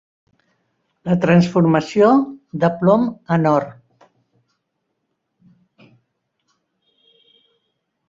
La transformació de plom en or.